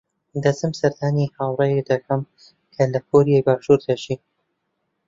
دەچم سەردانی هاوڕێیەک دەکەم کە لە کۆریای باشوور دەژی.